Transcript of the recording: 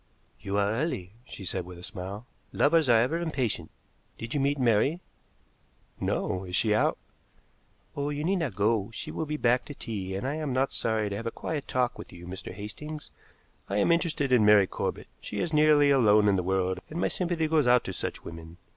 "You are early," she said with a smile. "Lovers are ever impatient. Did you meet Mary?" "No. Is she out?" "Oh, you need not go. She will be back to tea, and I am not sorry to have a quiet talk with you, Mr. Hastings. I am interested in Mary Corbett. She is nearly alone in the world, and my sympathy goes out to such women.